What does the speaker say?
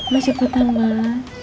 mas cepetan mas